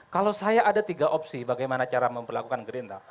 kalau saya ada tiga opsi bagaimana cara memperlakukan gerindra